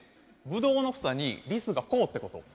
ブドウの房にリスがこうってこと？